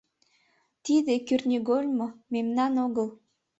Тиде кӱртньыгольмо... мемнан огыл...